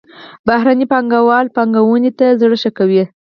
بهرني پانګوال پانګونې ته زړه ښه کوي.